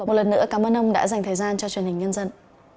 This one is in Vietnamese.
một lần nữa cảm ơn ông đã dành thời gian cho truyền hình nhân dân